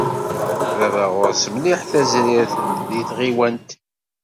Baba ɣur-s mliḥ tazrirt deg tɣiwant.